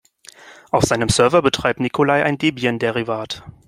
Auf seinem Server betreibt Nikolai ein Debian-Derivat.